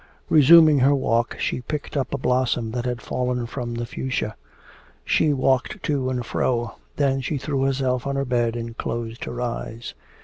Resuming her walk, she picked up a blossom that had fallen from the fuchsia. She walked to and fro. Then she threw herself on her bed and closed her eyes....